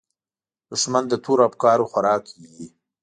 دښمن د تورو افکارو خوراک وي